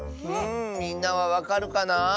みんなはわかるかな？